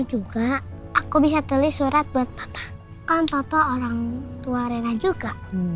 juga aku bisa tulis surat buat kan papa orang tua rena juga